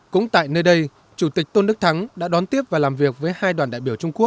cũng tại nơi đây chủ tịch tôn đức thắng đã đón tiếp và làm việc với hai đoàn đại biểu trung quốc